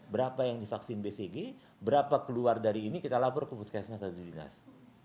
berapa yang divaksin bcg berapa keluar dari ini kita lapor ke puskesmas atau dinas